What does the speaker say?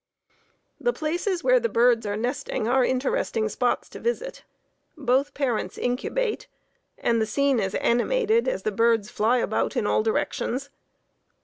The places where the birds are nesting are interesting spots to visit. Both parents incubate and the scene is animated as the birds fly about in all directions.